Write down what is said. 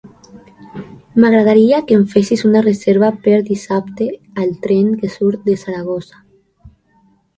M'agradaria que em fessis una reserva per dissabte al tren que surt de Saragossa.